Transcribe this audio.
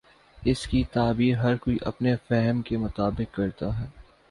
اس کی تعبیر ہر کوئی اپنے فہم کے مطابق کر تا ہے۔